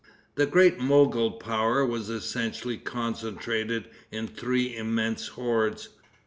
The great Mogol power was essentially concentrated in three immense hordes.